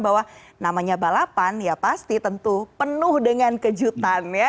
bahwa namanya balapan ya pasti tentu penuh dengan kejutan ya